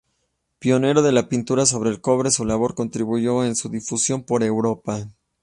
Pionero de la pintura sobre cobre, su labor contribuyó a su difusión por Europa.